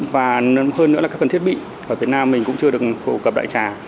và hơn nữa là các phần thiết bị ở việt nam mình cũng chưa được phổ cập đại trả